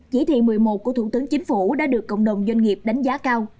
chỉ thị một mươi một của thủ tướng chính phủ đã được cộng đồng doanh nghiệp đánh giá cao